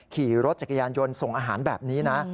ขี่รถจักรยานยนต์ส่งอาหารแบบนี้นะ